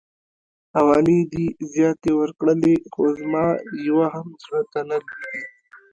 حوالې دي زياتې ورکړلې خو زما يوه هم زړه ته نه لويږي.